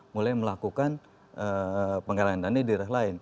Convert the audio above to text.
mulai melakukan penggalangan dana di daerah lain